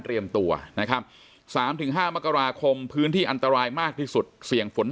ตัวนะครับ๓๕มกราคมพื้นที่อันตรายมากที่สุดเสี่ยงฝน